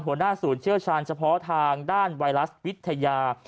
หัวหน้าศูนย์เชี่ยวชาญเฉพาะทางด้านไวรัสวิทยา